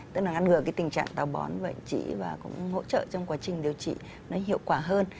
tức là ngăn ngừa cái tình trạng tàu bón bệnh trĩ và cũng hỗ trợ trong quá trình điều trị nó hiệu quả hơn